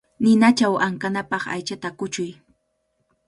Ninachaw ankanapaq aychata kuchuy.